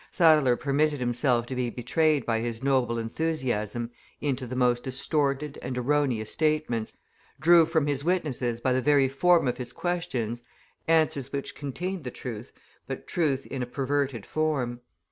Sadler permitted himself to be betrayed by his noble enthusiasm into the most distorted and erroneous statements, drew from his witnesses by the very form of his questions, answers which contained the truth, but truth in a perverted form.